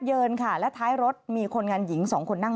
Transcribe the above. มีเกือบไปชนิดนึงนะครับ